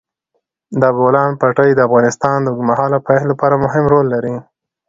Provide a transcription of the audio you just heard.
د بولان پټي د افغانستان د اوږدمهاله پایښت لپاره مهم رول لري.